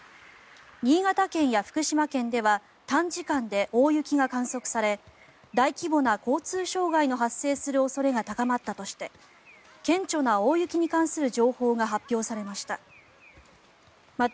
新潟県や福島県では短時間で大雪が観測され大規模な交通障害の発生する恐れが高まったとして顕著な大雪に関する情報が発表されました。